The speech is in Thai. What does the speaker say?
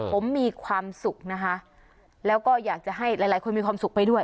ผมมีความสุขนะคะแล้วก็อยากจะให้หลายหลายคนมีความสุขไปด้วย